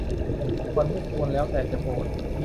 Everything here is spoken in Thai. ควรมิควรแล้วแต่จะโปรด